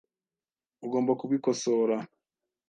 Ugomba kubikosora .